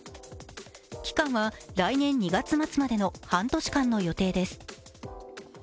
期間は来年２月末までの半年間の予定です。